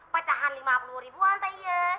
pecahan lima puluh ribuan tak iya